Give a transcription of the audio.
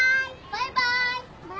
バイバイ。